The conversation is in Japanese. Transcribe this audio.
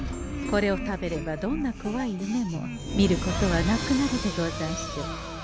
これを食べればどんなこわい夢も見ることはなくなるでござんしょう。